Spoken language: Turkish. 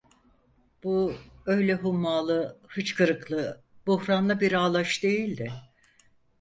Bu, öyle hummalı, hıçkırıklı, buhranlı bir ağlayış değildi.